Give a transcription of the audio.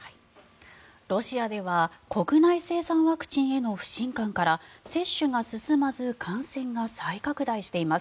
ロシアでは国内生産ワクチンへの不信感から接種が進まず感染が再拡大しています。